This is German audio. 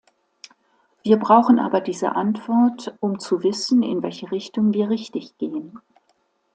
Wir brauchen aber diese Antwort, um zu wissen, in welche Richtung wir richtig gehen.